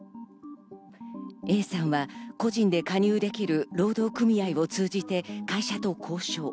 Ａさんは個人で加入できる労働組合を通じて会社と交渉。